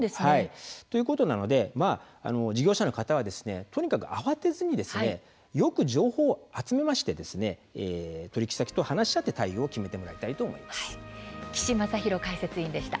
ということなので事業者の方はとにかく慌てずによく情報を集めて取引先と話し合って対応を岸正浩解説委員でした。